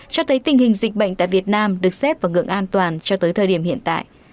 cho thấy tình hình dịch bệnh tại việt nam được xếp vào ngưỡng an toàn cho tới thời điểm hiện tại